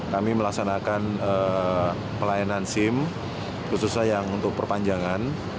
kami melaksanakan pelayanan sim khususnya yang untuk perpanjangan